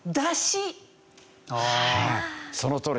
はいそのとおり。